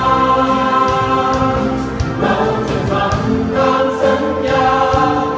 เราจะทำการสัญญา